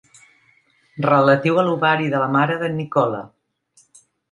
Relatiu a l'ovari de la mare d'en Nicola.